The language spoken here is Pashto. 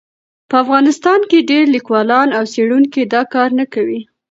په افغانستان کې ډېر لیکوالان او څېړونکي دا کار نه کوي.